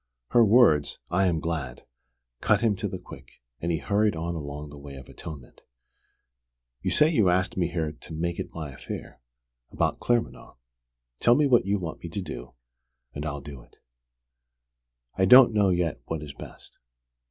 Her words, "I am glad," cut him to the quick, and he hurried on along the way of atonement. "You say you asked me here to 'make it my affair' about Claremanagh. Tell me what you want me to do, and I'll do it." "I don't know yet what is best.